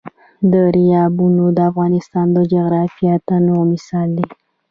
دریابونه د افغانستان د جغرافیوي تنوع مثال دی.